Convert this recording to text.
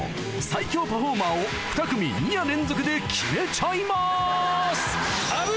最強パフォーマーを２組２夜連続で決めちゃいます！